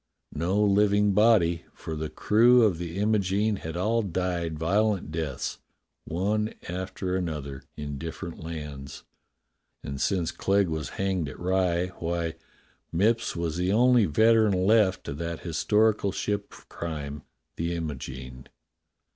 No living body, for the crew of the Imogene had all died violent deaths one after another in different lands, and since Clegg was hanged at Rye, why, Mipps was the only veteran left of that historical ship of crime, the Imogene.